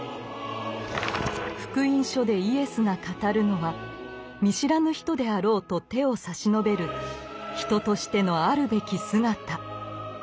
「福音書」でイエスが語るのは見知らぬ人であろうと手を差し伸べる人としてのあるべき姿。